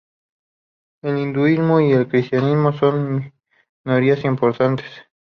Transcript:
El hinduismo y el cristianismo son minorías importantes.